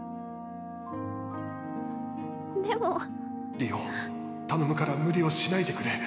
流星頼むから無理をしないでくれ。